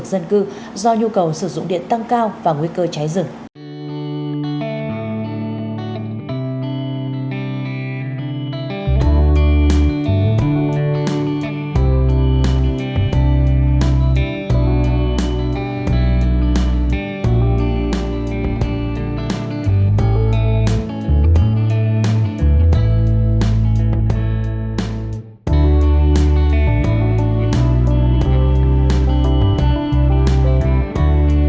các dân cư do nhu cầu sử dụng điện tăng cao và nguy cơ cháy rửa